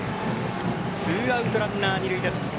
ツーアウトランナー、二塁です。